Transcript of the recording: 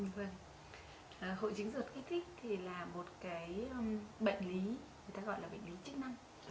vâng hội chứng rượt kích thích thì là một cái bệnh lý người ta gọi là bệnh lý chức năng